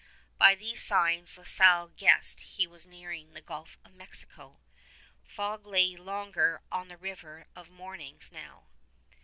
By these signs La Salle guessed he was nearing the Gulf of Mexico. Fog lay longer on the river of mornings now.